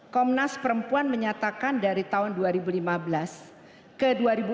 komnas perempuan menyatakan dari tahun dua ribu lima belas ke dua ribu dua puluh